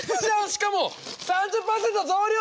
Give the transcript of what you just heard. しかも３０％増量！